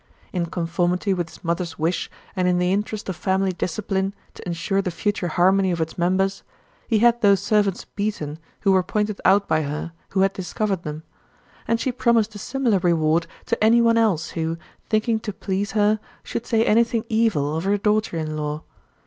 In conformity with his mother's wish, and in the interest of family discipline to insure the future harmony of its members, he had those servants beaten who were pointed out by her who had discovered them; and she promised a similar reward to anyone else who, thinking to please her, should say anything evil of her daughter in law.